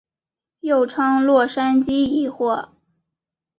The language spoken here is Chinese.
又称洛杉矶疑惑。